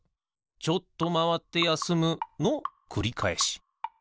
ちょっとまわってやすむのくりかえし。